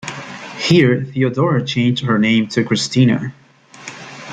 Here Theodora changed her name to Christina.